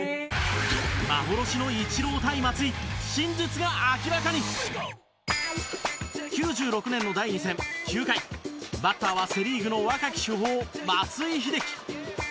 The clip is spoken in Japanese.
幻のイチロー対松井真実が明らかに９６年の第２戦、９回バッターは、セ・リーグの若き主砲、松井秀喜